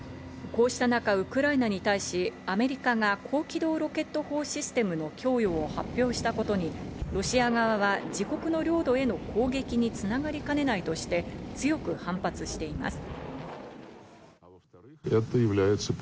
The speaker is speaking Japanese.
こうした中、ウクライナに対し、アメリカが高機動ロケット砲システムの供与を発表したことに、ロシア側は自国の領土への攻撃に繋がりかねないとして強く反発しています。